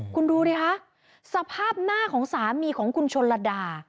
คุณดูดิคะสภาพหน้าของสามีของคุณชนระดา